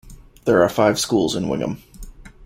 There are five schools in Wingham.